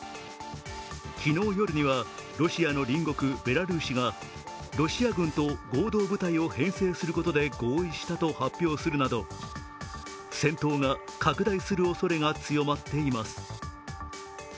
昨日夜には、ロシアの隣国ベラルーシがロシア軍と合同部隊を編成することで合意したとは発表するなど戦闘が拡大するおそれが強まっています。